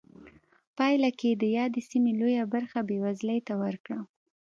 پایله کې یې د یادې سیمې لویه برخه بېوزلۍ ته ورکړه.